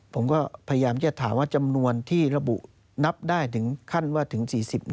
ผมก็พยายามจะถามว่าจำนวนที่ระบุนับได้ถึงขั้นว่าถึง๔๐